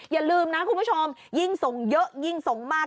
อย่าลืมนะคุณผู้ชมยิ่งส่งเยอะยิ่งส่งมาก